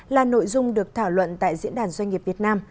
là nội dung được thảo luận tại diễn đàn doanh nghiệp việt nam